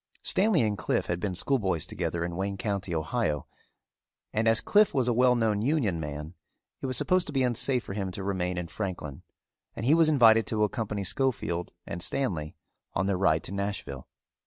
Stanley and Cliffe had been schoolboys together in Wayne County, Ohio, and as Cliffe was a well known Union man, it was supposed to be unsafe for him to remain in Franklin and he was invited to accompany Schofield and Stanley on their ride to Nashville.